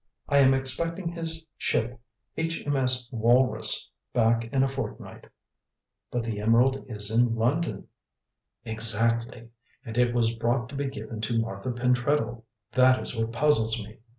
I am expecting his ship, H.M.S. Walrus, back in a fortnight." "But the emerald is in London." "Exactly, and it was brought to be given to Martha Pentreddle. That is what puzzles me.